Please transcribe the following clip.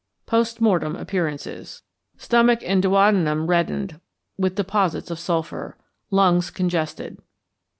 Post Mortem Appearances. Stomach and duodenum reddened, with deposits of sulphur. Lungs congested.